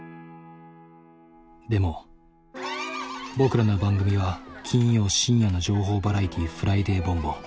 でも僕らの番組は金曜深夜の情報バラエティー「フライデーボンボン」。